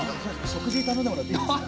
食事たのんでもらっていいですか？